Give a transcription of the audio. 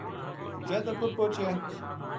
جد اپر پوہچیا